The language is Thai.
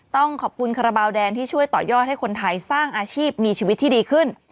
ต้องขอบคุณคาราบาลแดงที่ช่วยต่อยอดให้คนไทยสร้างอาชีพมีชีวิตที่ดีขึ้น